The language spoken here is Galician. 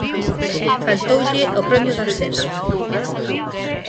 Faltoulle o premio do ascenso.